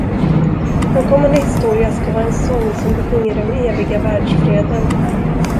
Vår kommande historia skall vara en sång som besjunger den eviga världsfreden.